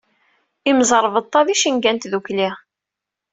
Imẓerbeḍḍa d icenga n tdukli.